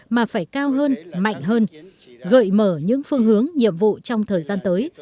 mà phải cao hơn mạnh hơn gợi mở những phương hướng nhiệm vụ trong thời gian tới